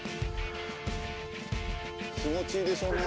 気持ちいいでしょうね。